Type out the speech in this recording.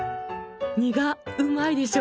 苦うまいでしょ！